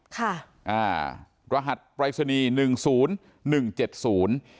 ค่ะอ่ารหัสปรายศนีย์หนึ่งศูนย์หนึ่งเจ็ดศูนย์